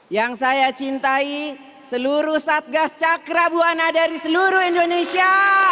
yang saya cintai seluruh satgas cakra buana dari seluruh indonesia